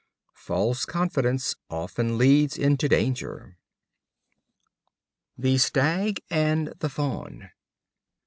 False confidence often leads into danger. The Stag and the Fawn.